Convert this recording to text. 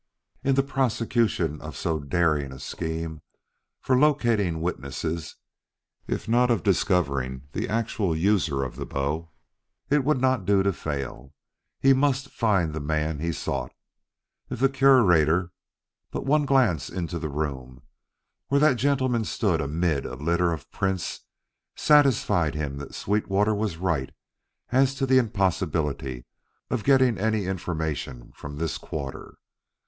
In the prosecution of so daring a scheme for locating witnesses if not of discovering the actual user of the bow, it would not do to fail. He must find the man he sought. If the Curator but one glance into the room where that gentleman stood amid a litter of prints satisfied him that Sweetwater was right as to the impossibility of getting any information from this quarter.